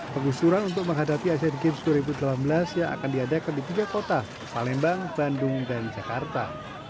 penggusuran untuk menghadapi asian games dua ribu delapan belas yang akan diadakan di tiga kota palembang bandung dan jakarta